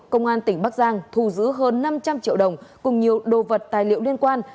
công an tỉnh bắc giang thu giữ hơn năm trăm linh triệu đồng cùng nhiều đồ vật tài liệu liên quan